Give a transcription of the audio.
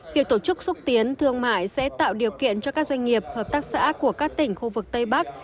việc tổ chức xúc tiến thương mại sẽ tạo điều kiện cho các doanh nghiệp hợp tác xã của các tỉnh khu vực tây bắc